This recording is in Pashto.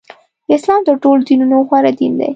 اسلام تر ټولو دینونو غوره دین دی.